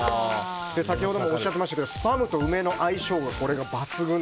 先ほどもおっしゃってましたけどスパムと梅干しの相性